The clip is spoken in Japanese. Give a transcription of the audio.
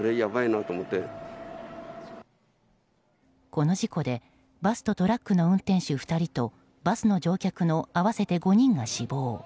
この事故でバスとトラックの運転手２人とバスの乗客の合わせて５人が死亡。